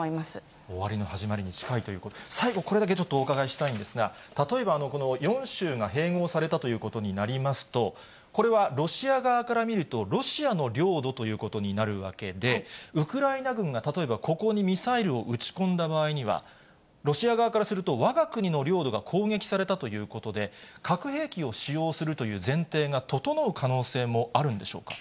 最後これだけちょっとお伺いしたいんですが、例えば、この４州が併合されたということになりますと、これはロシア側から見ると、ロシアの領土ということになるわけで、ウクライナ軍が例えばここにミサイルを撃ち込んだ場合には、ロシア側からすると、わが国の領土が攻撃されたということで、核兵器を使用するという前提が整う可能性もあるんでしょうか。